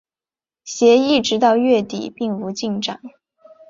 协议直到月底并无进展。